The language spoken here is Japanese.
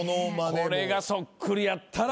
これがそっくりやったら。